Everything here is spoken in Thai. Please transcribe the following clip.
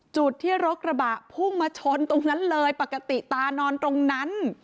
จุดที่รถกระบะพุ่งมาชนตรงนั้นเลยปกติตานอนตรงนั้น